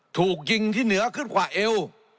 ถูกยิงที่เหนือขึ้นกว่าเอว